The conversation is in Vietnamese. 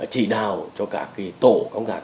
chỉ đào cho các tổ công tác